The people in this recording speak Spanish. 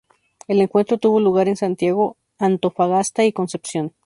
El encuentro tuvo lugar en Santiago, Antofagasta y Concepción.